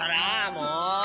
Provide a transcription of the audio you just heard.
もう！